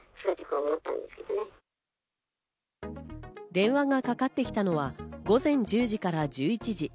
電話がかかってきたのは午前１０時から１１時。